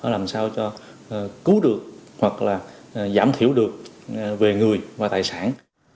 làm sao cho cứu được hoặc là giảm thiểu được về người và tài sản